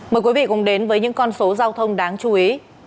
mời quý vị cùng đến với những con số giao thông đáng chú ý